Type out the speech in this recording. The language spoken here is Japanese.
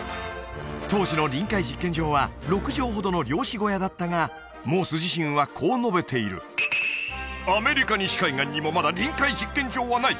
当時の臨海実験場は６畳ほどの漁師小屋だったがモース自身はこう述べているアメリカ西海岸にもまだ臨海実験場はない